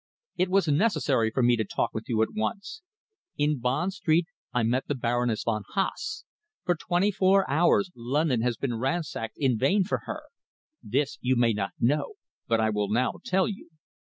It was necessary for me to talk with you at once. In Bond Street I met the Baroness von Haase. For twenty four hours London has been ransacked in vain for her. This you may not know, but I will now tell you.